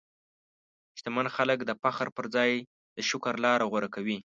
شتمن خلک د فخر پر ځای د شکر لاره غوره کوي.